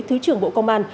thứ trưởng bộ công an